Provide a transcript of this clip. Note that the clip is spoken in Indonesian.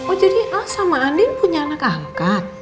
oh jadi ah sama andin punya anak angkat